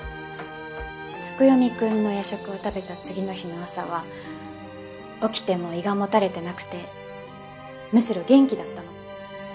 月読くんの夜食を食べた次の日の朝は起きても胃がもたれてなくてむしろ元気だったの。